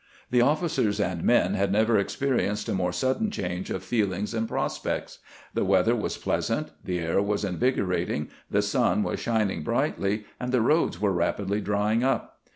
The officers and men had never experienced a A RACE FOE THE NOETH ANNA 135 more sudden change of feelings and prospects. The "weather was pleasant, the air was invigorating, the sun was shining brightly, and the roads were rapidly drying up.